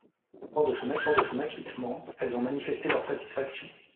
Lors de son acquittement, elles ont manifesté leur satisfaction.